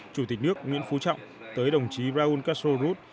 chủ tịch nước nguyễn phú trọng tới đồng chí raúl castro rút